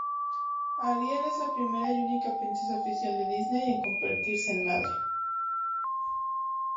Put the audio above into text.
Ariel es la primera y única princesa oficial de Disney en convertirse en madre.